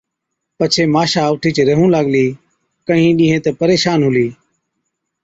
پڇي ماشا اُٺِيچ ريهُون لاگلِي۔ ڪهِين ڏِيهِين تہ پريشان هُلِي